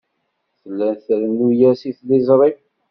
Tella trennu-as i tliẓri.